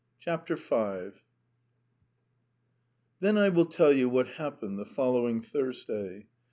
V[edit] Then I will tell you what happened the following Thursday.